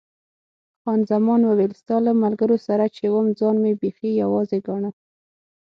خان زمان وویل، ستا له ملګرو سره چې وم ځان مې بیخي یوازې ګاڼه.